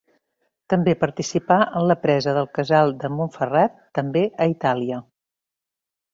També participà en la pressa del Casal de Montferrat també a Itàlia.